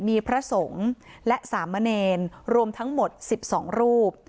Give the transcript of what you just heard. มีพระสงฆ์และสามมะเนรรวมทั้งหมดสิบสองรูป